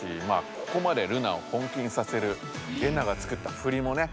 ここまでルナを本気にさせるレナがつくった振りもね